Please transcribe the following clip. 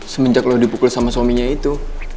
semenjak lo dipukul sama suaminya itu